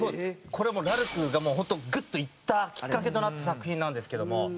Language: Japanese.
これラルクがもう本当グッといったきっかけとなった作品なんですけども。